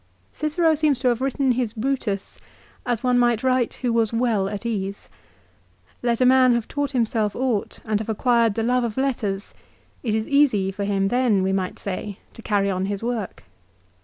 Cicero seems to have written his Brutus as one might write who was well at ease. Let a man have taught himself aught and have acquired the love of letters, it is easy for him then we might say, to carry on his work.